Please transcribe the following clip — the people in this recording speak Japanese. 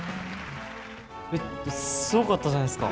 すごかったじゃないですか。